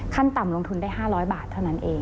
ต่ำลงทุนได้๕๐๐บาทเท่านั้นเอง